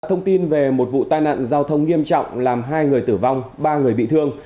thông tin về một vụ tai nạn giao thông nghiêm trọng làm hai người tử vong ba người bị thương